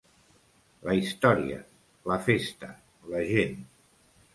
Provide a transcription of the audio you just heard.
La història, la festa, la gent.